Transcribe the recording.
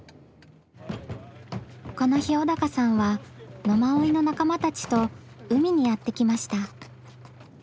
この日小鷹さんは野馬追の仲間たちと海にやって来ました。